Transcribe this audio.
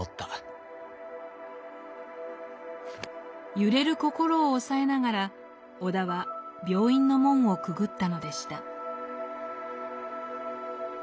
揺れる心を抑えながら尾田は病院の門をくぐったのでした。